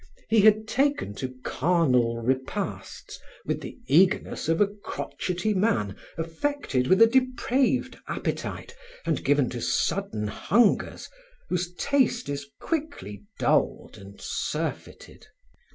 He had taken to carnal repasts with the eagerness of a crotchety man affected with a depraved appetite and given to sudden hungers, whose taste is quickly dulled and surfeited.